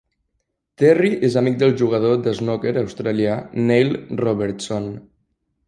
Terry és amic del jugador de snooker australià Neil Robertson.